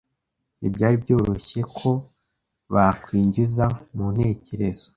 ntibyari byoroshye ko bakwinjiza mu ntekerezo